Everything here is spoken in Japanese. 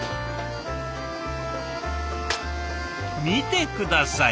見て下さい。